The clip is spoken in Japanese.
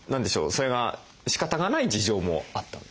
それがしかたがない事情もあった？